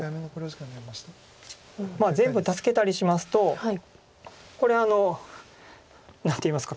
全部助けたりしますとこれ何ていいますか。